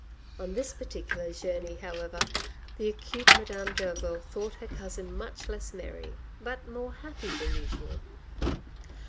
On this particular journey, however, the acute Madame Derville thought her cousin much less merry, but much more happy than usual.